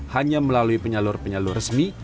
hanya melalui penyalur penyalur resmi